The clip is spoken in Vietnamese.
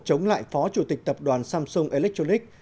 chống lại phó chủ tịch tập đoàn samsung electronics